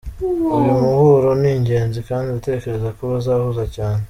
Uyu muhuro ni ingenzi kandi ndatekereza ko bazahuza cyane.